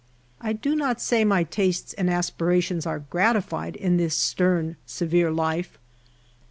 1 do not say my tastes and aspirations are gratified in this • stern, severe life.